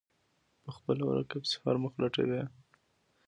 په خپله ورکې پسې هر مخ لټوي.